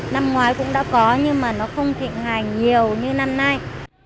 năm ngoái cũng đã có nhưng mà nó không thịnh hài nhiều như năm nay